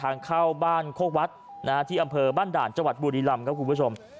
ทางเข้าบ้านโคกวัดที่อำเภอบ้านด่านจังหวัดบุรีรำครับคุณผู้ชม